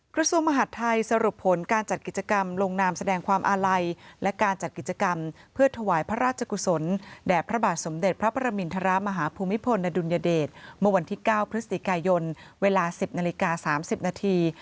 กระทรวงมหาดไทยสรุปผลการจัดกิจกรรมลงนามแสดงความอาลัยและการจัดกิจกรรมเพื่อถวายพระราชกุศลแด่พระบาทสมเด็จพระประมินทรมาฮภูมิพลอดุลยเดชเมื่อวันที่๙พฤศจิกายนเวลา๑๐นาฬิกา๓๐นาที